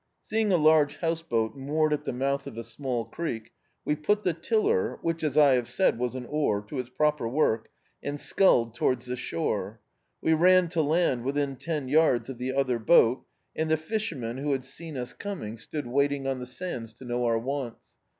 Seeing a large house boat moored at the mouth of a small creek, we put the tiller — which as I have said, was an oar — to its proper work, and sculled towards the shore. We ran to land within ten yards of the other boat, and the fisherman, who lad seen us coming, stood waiting Dictzed by Google The House Boat on the sands to know our wants.